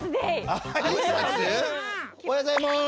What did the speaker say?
おはようございます。